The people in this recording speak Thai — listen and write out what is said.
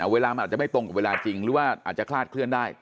เวลามันอาจจะไม่ตรงกับเวลาจริงหรือว่าอาจจะคลาดเคลื่อนได้